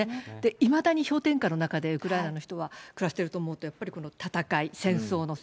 いまだに氷点下の中でウクライナの人は暮らしてると思うと、やっぱりこの戦い、戦争の戦。